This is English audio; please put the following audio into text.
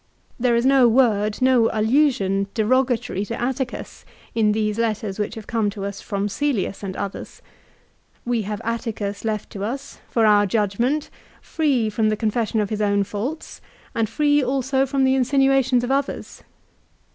There is no word, no allusion derogatory to Atticus in these letters which have come to us from Cselius and others. We have Atticus left to us, for our judgment, free from the confession of his own faults, and free also from the insinuations of others.